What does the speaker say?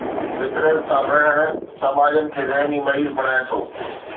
فطرت سان وڙهڻ سماجن کي ذهني مريض بڻائي ٿو.